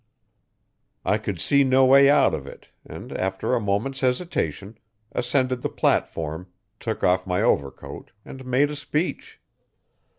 I could see no way out of it and, after a moment's hesitation, ascended the platform took off my overcoat and made a speech.